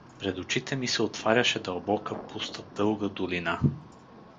Пред очите ми се отваряше дълбока, пуста, дълга долина.